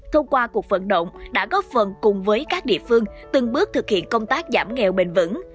thông qua cuộc phận động đã góp phần cùng với các địa phương từng bước thực hiện công tác giảm nghèo bền vững